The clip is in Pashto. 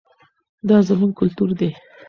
دا زموږ کلتور دی.